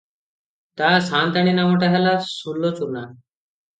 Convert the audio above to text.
ତୋ’ ସା’ନ୍ତାଣୀ ନାମଟା ହେଲା, ସୁଲ-ଚୁନା!